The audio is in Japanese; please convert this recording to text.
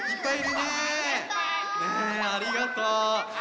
ねえありがとう！